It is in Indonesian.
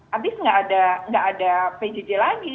habis nggak ada pjj lagi